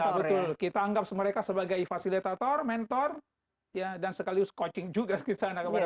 iya betul kita anggap mereka sebagai fasilitator mentor dan sekaligus coaching juga di sana